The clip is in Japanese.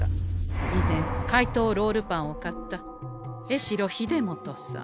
以前「怪盗ロールパン」を買った江城秀元さん。